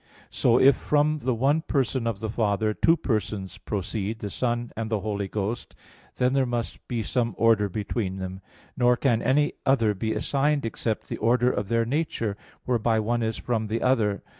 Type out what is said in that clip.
So if from the one Person of the Father, two persons proceed, the Son and the Holy Ghost, there must be some order between them. Nor can any other be assigned except the order of their nature, whereby one is from the other.